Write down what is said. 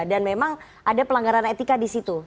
dan memang ada pelanggaran etika di situ